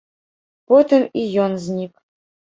Потым і ён знік.